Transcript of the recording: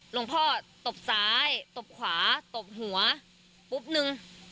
หลวงพ่อตบซ้ายตบขวาตบหัวปุ๊บนึง